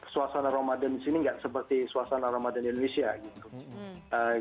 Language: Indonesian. suasana ramadan di sini nggak seperti suasana ramadan di indonesia gitu